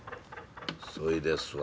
そいですわ。